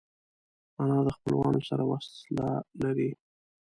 انا د خپلوانو سره وصله لري